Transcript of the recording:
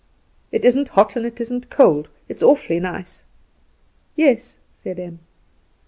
"It isn't hot and it isn't cold. It's awfully nice." "Yes," said Em.